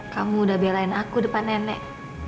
kamu udah belain aku depan nenek